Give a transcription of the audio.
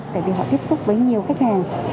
tại vì họ tiếp xúc với nhiều khách hàng